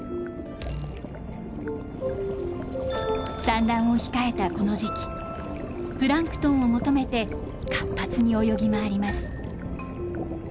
産卵を控えたこの時期プランクトンを求めて活発に泳ぎ回ります。